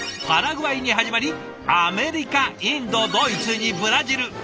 パラグアイに始まりアメリカインドドイツにブラジル。